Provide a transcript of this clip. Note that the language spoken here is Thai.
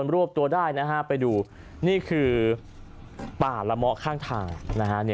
รวบตัวได้นะฮะไปดูนี่คือป่าละเมาะข้างทางนะฮะ